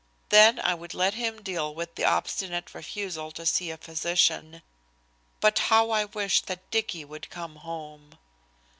Then I would let him deal with her obstinate refusal to see a physician. But how I wished that Dicky would come home.